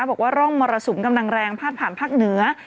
บอกว่าร่องมรสุมกำลังแรงพาดผ่านภาคเหนือ